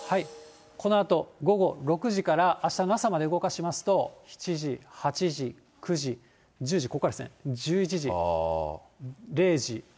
このあと、午後６時からあしたの朝まで動かしますと、７時、８時、９時、１０時、ここですね。